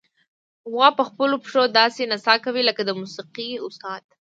غوا په خپلو پښو داسې نڅا کوي لکه د موسیقۍ استاد.